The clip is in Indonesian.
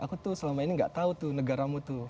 aku tuh selama ini gak tahu tuh negaramu tuh